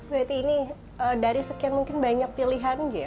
bu hetty ini dari sekian mungkin banyak pilihan ya